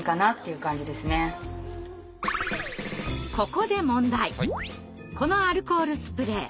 ここでこのアルコールスプレー